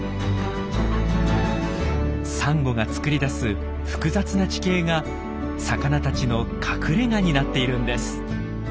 サンゴが作り出す複雑な地形が魚たちの隠れがになっているんです。